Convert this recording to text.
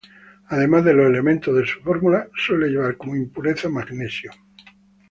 Además de los elementos de su fórmula, suele llevar como impureza magnesio.